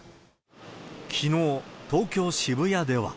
きのう、東京・渋谷では。